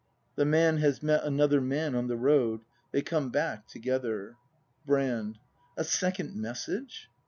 [The Man has met another man on the road; they come back togetlier. Brand. A second message